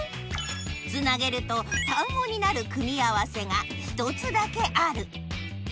つなげると単語になる組み合わせが１つだけある。